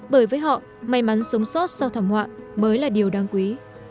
bởi với họ may mắn sống sót sau thảm họa mới là điều đáng quý